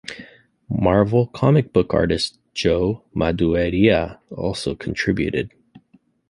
Marvel comic book artist Joe Madureira also contributed.